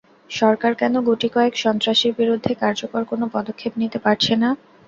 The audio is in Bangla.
সরকার কেন গুটি কয়েক সন্ত্রাসীর বিরুদ্ধে কার্যকর কোনো পদক্ষেপ নিতে পারছে না।